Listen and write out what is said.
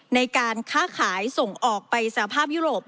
ในการค้าขายส่งออกไปสภาพยุโรป